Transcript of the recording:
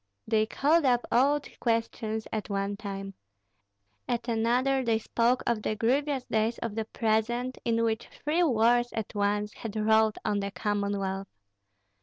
They called up old questions at one time; at another they spoke of the grievous days of the present, in which three wars at once had rolled on the Commonwealth.